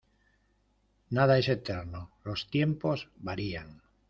Nada es eterno los tiempos varían.